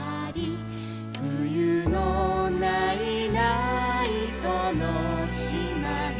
「ふゆのないないそのしまの」